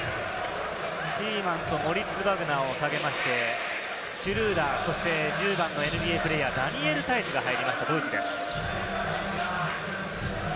ティーマンとモリッツ・バグナーを下げましてシュルーダー、１０番のＮＢＡプレーヤー、ダニエル・タイスが入ります。